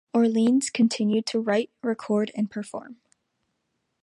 Orleans continued to write, record and perform.